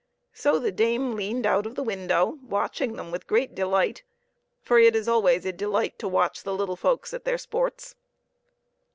So the dame leaned out of the window, watching them with great delight, for it is always a delight to watch the little folks at their sports.